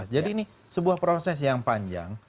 jadi ini sebuah proses yang panjang